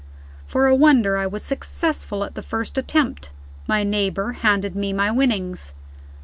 For a wonder, I was successful at the first attempt. My neighbor handed me my winnings.